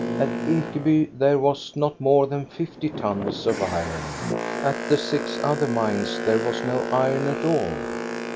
At Ekeby there was not more than fifty tons of iron, at the six other mines there was no iron at all.